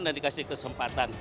dan dikasih kesempatan